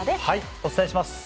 お伝えします。